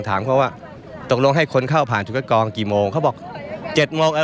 ถามเขาว่าตกลงให้คนเข้าผ่านจุดคัดกองกี่โมงเขาบอกเจ็ดโมงอ่า